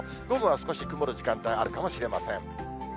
午後は少し曇る時間帯もあるかもしれません。